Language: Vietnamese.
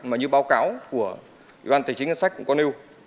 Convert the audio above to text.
mà như báo cáo của ủy ban tài chính ngân sách cũng có nêu